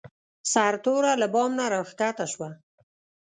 سرتوره له بام نه راکښته شوه.